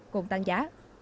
cùng tăng giá